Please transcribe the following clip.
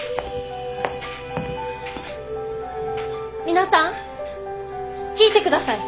皆さん聞いてください！